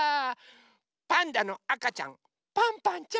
パンダのあかちゃんパンパンちゃん。